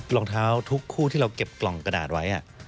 รองเท้าทุกคู่ที่เราเก็บกล่องกระดาษไว้